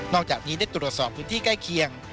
อกจากนี้ได้ตรวจสอบพื้นที่ใกล้เคียง